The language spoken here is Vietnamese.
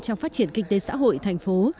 trong phát triển kinh tế xã hội thành phố